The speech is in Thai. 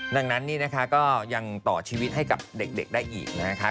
ดังนั้นนี่นะคะก็ยังต่อชีวิตให้กับเด็กได้อีกนะคะ